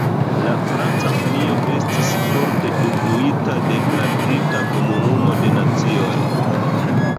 La Franca Unio estis forte influita de la brita Komunumo de Nacioj.